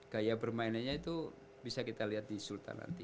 gaya permainannya itu bisa kita lihat di sultan nanti